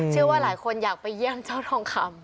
เชื่อว่าหลายคนอยากไปเยี่ยมเจ้าทองคำ